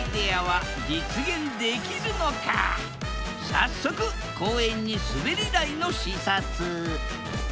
早速公園にすべり台の視察。